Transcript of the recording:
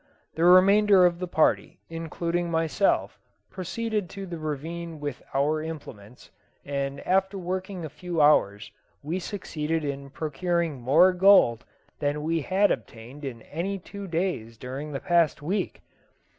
The remainder of the party, including myself, proceeded to the ravine with our implements, and after working a few hours we succeeded in procuring more gold than we had obtained in any two days during the past week.